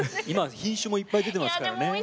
今品種もいっぱい出てますからね。